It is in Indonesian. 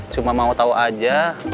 cuma mau tahu aja